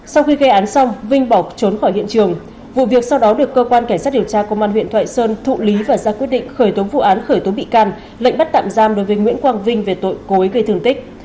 sau khi gây án xong vinh bỏ trốn khỏi hiện trường vụ việc sau đó được cơ quan cảnh sát điều tra công an huyện thoại sơn thụ lý và ra quyết định khởi tố vụ án khởi tố bị can lệnh bắt tạm giam đối với nguyễn quang vinh về tội cố ý gây thương tích